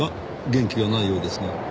元気がないようですが。